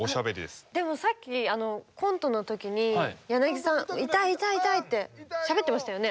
でもさっきコントのときにヤナギさん「痛い痛い痛い」ってしゃべってましたよね。